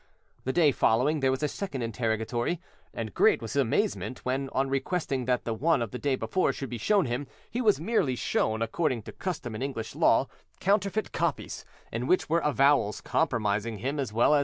The day following there was a second interrogatory, and great was his amazement when, on requesting that the one of the day before should be shown him, he was merely shown, according to custom in English law, counterfeit copies, in which were avowals compromising him as well as M.